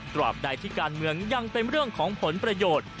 รอบใดที่การเมืองยังเป็นเรื่องของผลประโยชน์